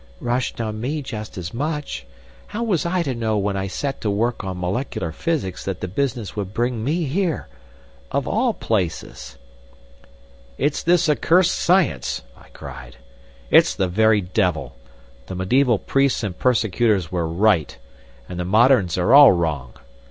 "Rushed on me just as much. How was I to know when I set to work on molecular physics that the business would bring me here—of all places?" "It's this accursed science," I cried. "It's the very Devil. The mediæval priests and persecutors were right and the Moderns are all wrong.